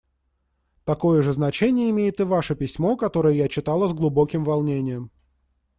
Такое же значение имеет и ваше письмо, которое я читала с глубоким волнением.